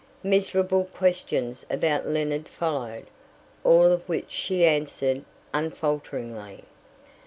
Miserable questions about Leonard followed, all of which she answered unfalteringly.